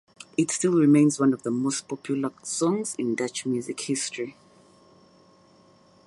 It still remains one of the most popular songs in Dutch music history.